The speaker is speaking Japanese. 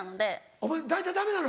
お前大体ダメなの？